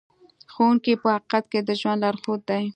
ښوونکی په حقیقت کې د ژوند لارښود دی.